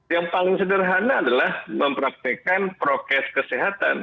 yang paling sederhana adalah mempraktekan prokes kesehatan